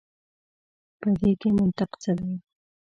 په دې کي منطق څه دی.